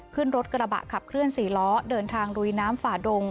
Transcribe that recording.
ขึ้นรถกระบะขับเคลื่อน๔ล้อเดินทางลุยน้ำฝ่าดง